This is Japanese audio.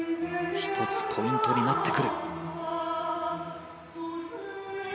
１つ、ポイントになってくる。